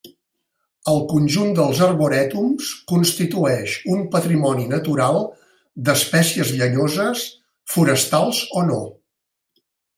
El conjunt dels arborètums constitueix un patrimoni natural d'espècies llenyoses forestals o no.